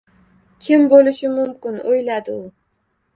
“Kim boʻlishi mumkin? – oʻyladi u.